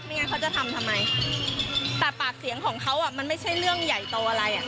งั้นเขาจะทำทำไมแต่ปากเสียงของเขาอ่ะมันไม่ใช่เรื่องใหญ่โตอะไรอ่ะ